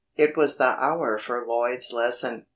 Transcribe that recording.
It was the hour for Lloyd's lesson.